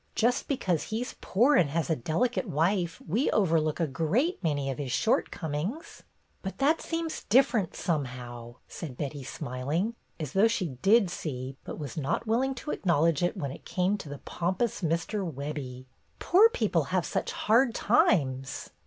Just because he 's poor and has a delicate wife we overlook a great many of his shortcomings." "But that seems different, somehow," said Betty, smiling, as though she did see but was 68 BETTY BAIRD'S GOLDEN YEAR not willing to acknowledge it when it came to the pompous Mr. Webbie. ''Poor people have such hard times.